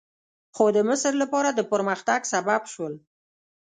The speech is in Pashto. خو د مصر لپاره د پرمختګ سبب شول.